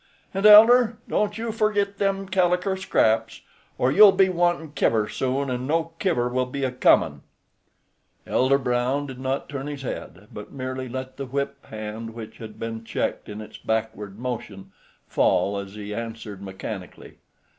"And, elder, don't you forgit them caliker scraps, or you'll be wantin' kiver soon an' no kiver will be a comin'." Elder Brown did not turn his head, but merely let the whip hand, which had been checked in its backward motion, fall as he answered mechanically.